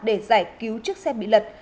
để giải cứu chiếc xe bị lật